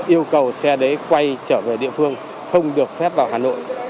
yêu cầu xe đấy quay trở về địa phương không được phép vào hà nội